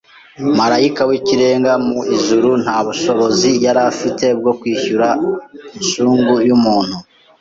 Marayika w’ikirenga mu ijuru nta bushobozi yari afite bwo kwishyura inshungu y’umuntu